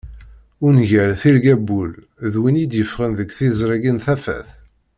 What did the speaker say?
Ungal tirga n wul d win i d-yeffɣen deg tiẓrigin Tafat.